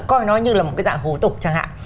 coi nó như là một cái dạng hổ tục chẳng hạn